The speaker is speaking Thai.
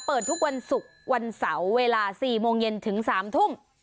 เปิดทุกวันศุกร์วันเสาร์เวลา๔โมงเย็นถึง๓ทุ่ม